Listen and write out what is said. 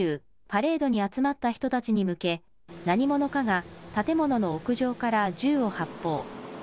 パレードに集まった人たちに向け何者かが建物の屋上から銃を発砲。